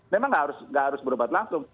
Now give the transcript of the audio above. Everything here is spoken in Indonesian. memang nggak harus berobat langsung